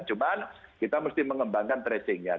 cuma kita mesti mengembangkan tracing nya